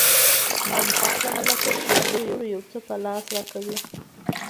او ناخواله مونږ ته ضرور یو څه په لاس راکوي